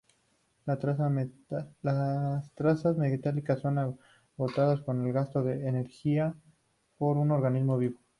Las trazas metálicas son agotadas con el gasto de energía por un organismo vivo.